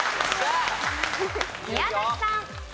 宮崎さん。